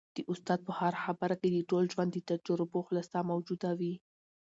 د استاد په هره خبره کي د ټول ژوند د تجربو خلاصه موجوده وي.